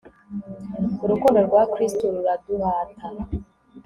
urukundo rwa kristo ruraduhata